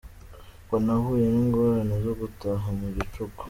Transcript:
Ubwo nahuye n’ingorane zo gutaha mu gicuku.